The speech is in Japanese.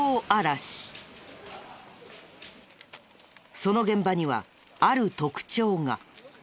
その現場にはある特徴が。